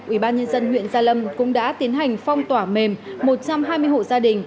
ubnd huyện gia lâm cũng đã tiến hành phong tỏa mềm một trăm hai mươi hộ gia đình